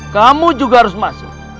kamu juga harus masuk